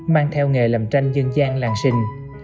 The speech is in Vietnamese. mang theo nghề làm tranh dân gian làng xịn